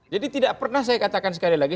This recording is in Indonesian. jadi tidak pernah saya katakan sekali lagi